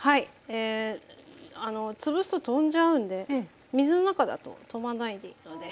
え潰すと飛んじゃうんで水の中だと飛ばないでいいので。